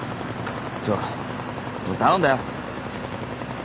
ちょっもう頼んだよ。